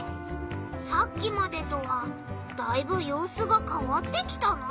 さっきまでとはだいぶようすがかわってきたな。